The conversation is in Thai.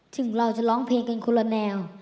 ถึงเราจะร้องเพลงกันคนละแนว